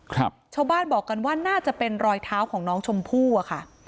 ชาวบ้านบอกกันว่าน่าจะเป็นรอยเท้าของน้องชมพู่อะค่ะ